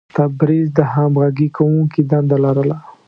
تبریز د همغږي کوونکي دنده لرله.